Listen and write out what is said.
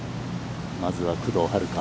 まずは、工藤遥加。